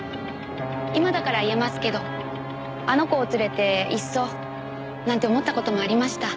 今だから言えますけどあの子を連れていっそなんて思った事もありました。